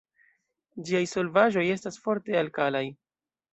Ĝiaj solvaĵoj estas forte alkalaj.